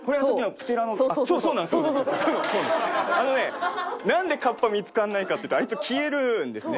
あのねなんで河童見付からないかっていうとあいつ消えるんですね。